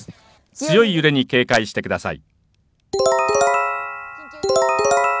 強い揺れに警戒してください。